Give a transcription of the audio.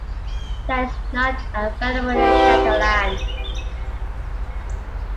That is not available in Catalan.